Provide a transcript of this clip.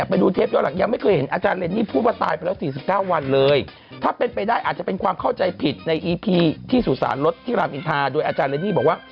ไปรักษาตัวที่ไหนนะ